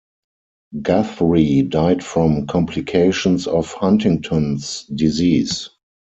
Guthrie died from complications of Huntington's disease.